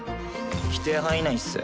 規定範囲内っす。